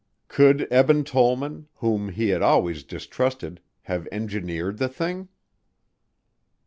Could Eben Tollman, whom he had always distrusted, have engineered the thing?